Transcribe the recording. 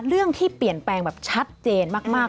เรื่องที่เปลี่ยนแปลงแบบชัดเจนมาก